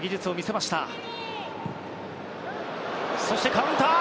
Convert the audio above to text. カウンター！